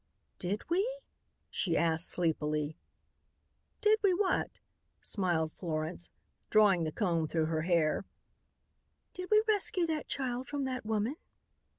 "Did we?" she asked sleepily. "Did we what?" smiled Florence, drawing the comb through her hair. "Did we rescue that child from that woman?"